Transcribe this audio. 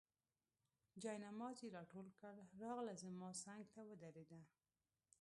جاینماز یې راټول کړ، راغله زما څنګ ته ودرېده.